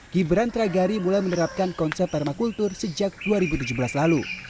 gibran tragari mulai menerapkan konsep permakultur sejak dua ribu tujuh belas lalu